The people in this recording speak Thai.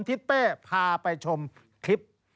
ทิศเป้พาไปชมคลิป